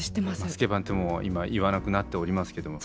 「スケバン」ってもう今言わなくなっておりますけども。